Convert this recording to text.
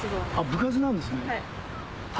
部活なんですね。